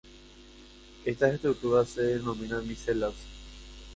Estas estructuras se denominan micelas.